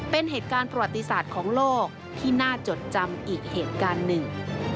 เป็นเหตุการณ์ประวัติศาสตร์ของโลกที่น่าจดจำอีกเหตุการณ์หนึ่ง